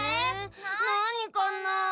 なにかな？